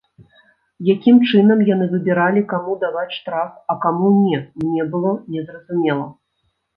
Якім чынам яны выбіралі, каму даваць штраф, а каму не, мне было незразумела.